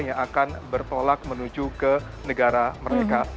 yang akan bertolak menuju ke negara mereka